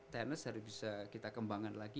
tenis harus bisa kita kembangkan lagi